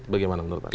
bagaimana menurut anda